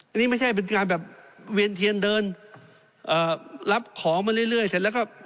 อันนี้ไม่ใช่เป็นการแบบเวียนเทียนเดินเอ่อรับของมาเรื่อยเสร็จแล้วก็